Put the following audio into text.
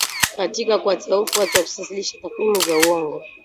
katika kuwatia hofu watu na kuwasilisha takwimu za uongo